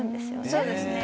そうですね。